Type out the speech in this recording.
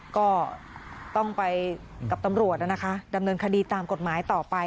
ก็ต้องไปกับตำรวจนะคะดำเนินคดีตามกฎหมายต่อไป